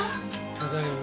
ただいま。